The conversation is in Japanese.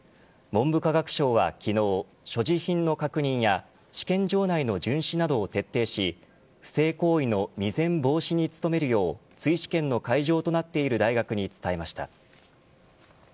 文部科学省は昨日所持品の確認や試験場内の巡視などを徹底し不正行為の未然防止に努めるよう追試験の会場となっている大学に伝えました。